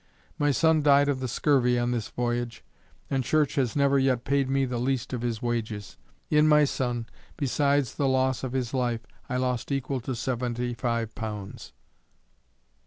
My son died of the scurvy on this voyage, and Church has never yet paid me the least of his wages. In my son, besides the loss of his life, I lost equal to seventy five pounds.